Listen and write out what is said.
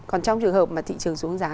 còn trong trường hợp mà thị trường xuống giá